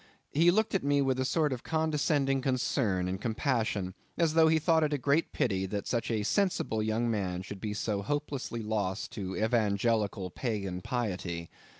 He looked at me with a sort of condescending concern and compassion, as though he thought it a great pity that such a sensible young man should be so hopelessly lost to evangelical pagan piety.